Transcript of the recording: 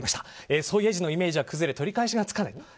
ソ・イェジのイメージは崩れ取り返しがつかない。